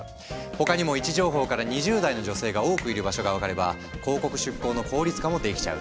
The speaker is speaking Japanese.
他にも位置情報から２０代の女性が多くいる場所が分かれば広告出稿の効率化もできちゃう。